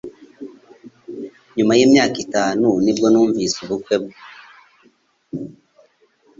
Nyuma yimyaka itanu nibwo numvise ubukwe bwe